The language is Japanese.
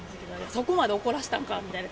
そこまで怒らせたんかみたいな。